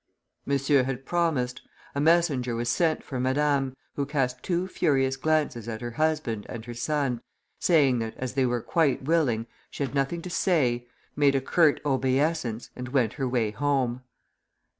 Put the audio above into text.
Monsieur had promised; a messenger was sent for Madame, who cast two furious glances at her husband and her son, saying that, as they were quite willing, she had nothing to say, made a curt obeisance, and went her way home.